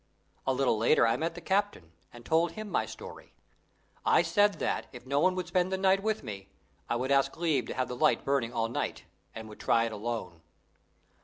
A little later I met the captain, and told him my story. I said that, if no one would spend the night with me, I would ask leave to have the light burning all night, and would try it alone.